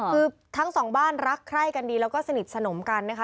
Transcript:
คือทั้งสองบ้านรักใคร่กันดีแล้วก็สนิทสนมกันนะคะ